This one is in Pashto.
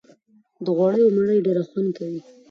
د غوړيو مړۍ ډېره خوند کوي